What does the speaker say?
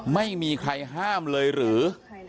ไม่มีใครห้ามเลยหรือ